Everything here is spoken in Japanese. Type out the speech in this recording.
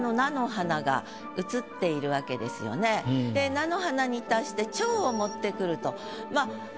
菜の花に対して蝶を持ってくると。